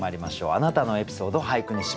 「あなたのエピソード、俳句にします」。